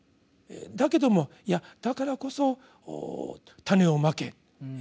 だけどもいやだからこそ「種を蒔け」。